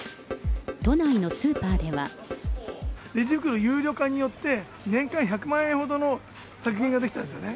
都内のスーパーでは、レジ袋有料化によって、年間１００万円ほどの削減ができたんですよね。